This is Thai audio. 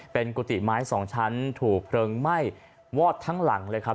เป็นกุฏิไม้สองชั้นถูกเพลิงไหม้วอดทั้งหลังเลยครับ